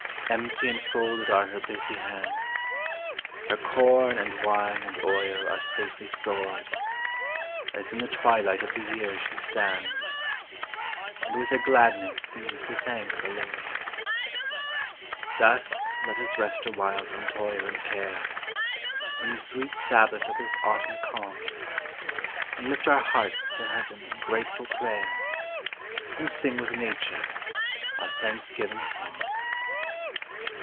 Empty and folded are her busy hands; Her corn and wine and oil are safely stored, As in the twilight of the year she stands, And with her gladness seems to thank the Lord. Thus let us rest awhile from toil and care, In the sweet sabbath of this autumn calm, And lift our hearts to heaven in grateful prayer, And sing with nature our thanksgiving psalm.